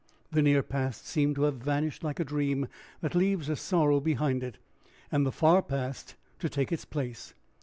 The near past seemed to have vanished like a dream that leaves a sorrow behind it, and the far past to take its place.